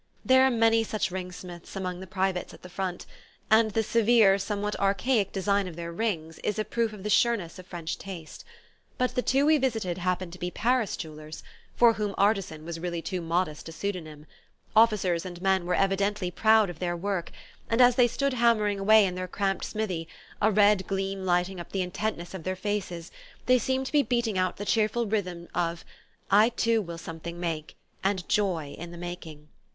There are many such ringsmiths among the privates at the front, and the severe, somewhat archaic design of their rings is a proof of the sureness of French taste; but the two we visited happened to be Paris jewellers, for whom "artisan" was really too modest a pseudonym. Officers and men were evidently proud of their work, and as they stood hammering away in their cramped smithy, a red gleam lighting up the intentness of their faces, they seemed to be beating out the cheerful rhythm of "I too will something make, and joy in the making."...